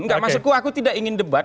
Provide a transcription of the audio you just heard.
tidak masukku aku tidak ingin debat